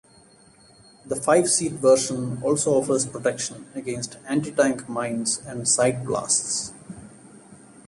The five-seat version also offers protection against anti-tank mines and side blasts.